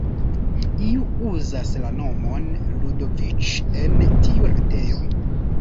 Iu uzas la nomon Ludoviĉ en tiu retejo.